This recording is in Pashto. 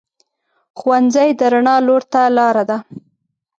ښوونځی د رڼا لور ته لار ده